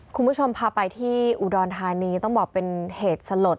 คุณผู้ชมพาไปที่อุดรธานีต้องบอกเป็นเหตุสลด